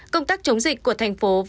công tác chống dịch của thành phố